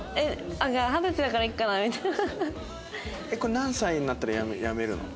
何歳になったらやめるの？